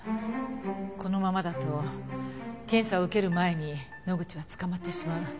このままだと検査を受ける前に野口は捕まってしまう。